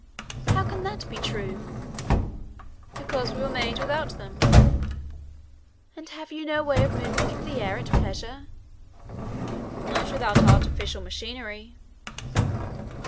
"How can that be true?" "Because we were made without them." "And have you no way of moving through the air at pleasure?" "Not without artificial machinery."